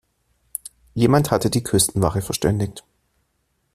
Jemand hatte die Küstenwache verständigt.